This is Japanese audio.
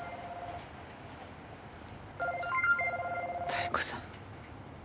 妙子さん。